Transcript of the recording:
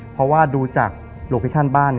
เพราะว่าดูจากโลเคชั่นบ้าน